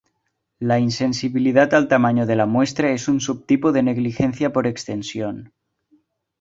La insensibilidad al tamaño de la muestra es un subtipo de negligencia por extensión.